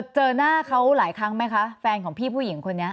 เจอหน้าเขาหลายครั้งไหมคะแฟนของพี่ผู้หญิงคนนี้